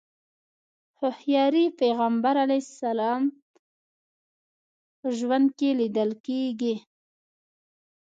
هوښياري پيغمبر علیه السلام په ژوند کې ليدل کېږي.